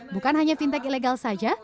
bukan hanya fintech ilegal saja